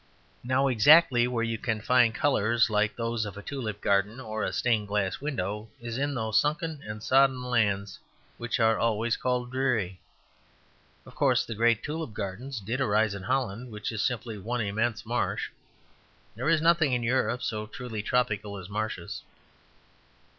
Now exactly where you can find colours like those of a tulip garden or a stained glass window, is in those sunken and sodden lands which are always called dreary. Of course the great tulip gardens did arise in Holland; which is simply one immense marsh. There is nothing in Europe so truly tropical as marshes.